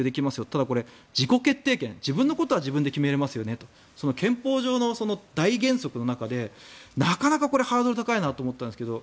ただ、これ自己決定権自分のことは自分で決めれますよねと憲法上の大原則の中でなかなかハードルが高いなと思ったんですけど